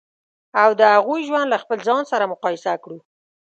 او د هغوی ژوند له خپل ځان سره مقایسه کړو.